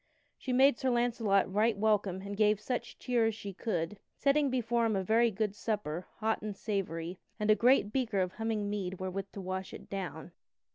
She made Sir Launcelot right welcome and gave such cheer as she could, setting before him a very good supper, hot and savory, and a great beaker of humming mead wherewith to wash it down.